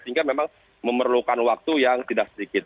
sehingga memang memerlukan waktu yang tidak sedikit